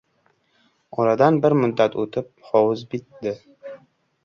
Oradan bir muddat oʻtib, hovuz bitdi.